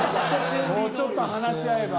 もうちょっと話し合えば。